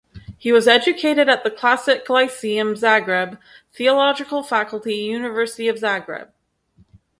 He was educated at the Classic Lyceum, Zagreb; Theological Faculty, University of Zagreb.